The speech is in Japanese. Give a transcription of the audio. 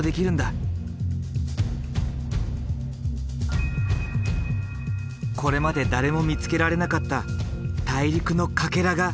これまで誰も見つけられなかった大陸のカケラが今見つかった。